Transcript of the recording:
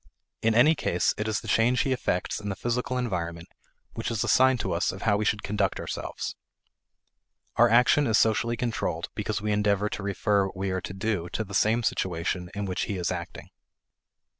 In any case, it is the change he effects in the physical environment which is a sign to us of how we should conduct ourselves. Our action is socially controlled because we endeavor to refer what we are to do to the same situation in which he is acting.